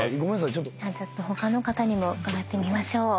ちょっと他の方にも伺ってみましょう。